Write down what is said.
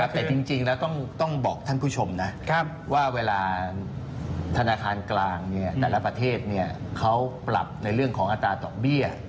แต่จริงแล้วต้องบอกท่านผู้ชมนะว่าเวลาธนาคารกลางแต่ละประเทศเขาปรับในเรื่องของอัตราดอกเบี้ย